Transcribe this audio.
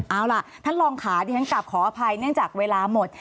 เอาล่ะท่านรองค่ะที่ฉันกลับขออภัยเนื่องจากเวลาหมด